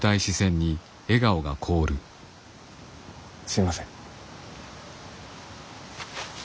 すいません。